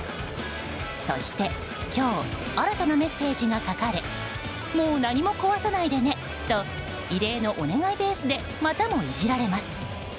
そして今日新たなメッセージが書かれもう何も壊さないでねと異例のお願いベースでまたもいじられます。